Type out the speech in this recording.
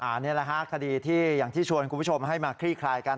อันนี้แหละฮะคดีที่อย่างที่ชวนคุณผู้ชมให้มาคลี่คลายกัน